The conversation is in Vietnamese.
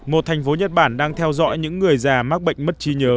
một thành phố nhật bản đang theo dõi những người già mắc bệnh mất trí nhớ